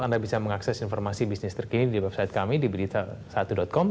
anda bisa mengakses informasi bisnis terkini di website kami di berita satu com